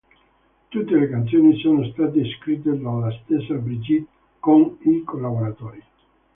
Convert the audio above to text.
Tutte le canzoni sono state scritte dalla stessa Bridgit con i collaboratori.